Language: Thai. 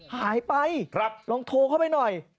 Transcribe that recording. หายไปลองโทรเข้าไปหน่อย